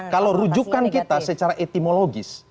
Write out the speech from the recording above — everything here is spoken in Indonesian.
kalau rujukan kita secara etimologis